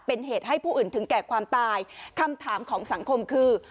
เป็นเหตุให้ผู้อื่นถึงแก่ความตายคำถามของสังคมคือ